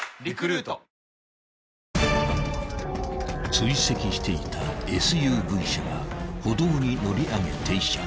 ［追跡していたＳＵＶ車が歩道に乗り上げ停車］